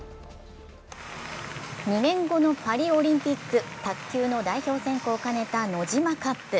２年後のパリオリンピック卓球の代表選考を兼ねたノジマカップ。